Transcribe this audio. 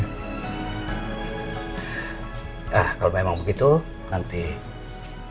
nah kalau memang begitu nanti susah rakan untuk saya ya pak al